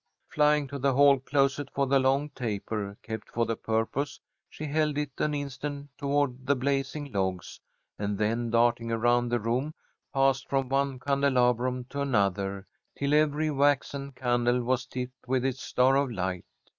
Flying to the hall closet for the long taper kept for the purpose, she held it an instant toward the blazing logs, and then darting around the room, passed from one candelabrum to another, till every waxen candle was tipped with its star of light.